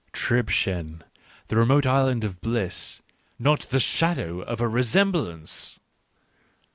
Tribschen — remote island of bliss : not the shadow of a resem blance